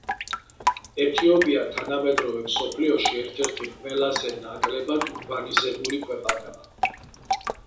ეთიოპია თანამედროვე მსოფლიოში ერთ-ერთი ყველაზე ნაკლებად ურბანიზებული ქვეყანაა.